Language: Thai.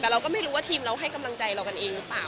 แต่เราก็ไม่รู้ว่าทีมเราให้กำลังใจเรากันเองหรือเปล่า